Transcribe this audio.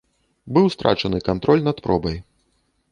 Быў страчаны кантроль над пробай.